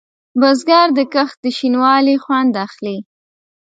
بزګر د کښت د شین والي خوند اخلي